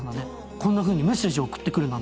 こんなふうにメッセージ送ってくるなんて。